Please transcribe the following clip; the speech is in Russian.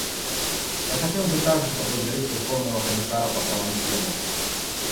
Я хотел бы также поблагодарить Верховного комиссара по правам человека.